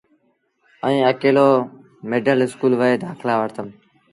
ائيٚݩ اڪيلو ميڊل اسڪول وهي دآکلآ وٺتم۔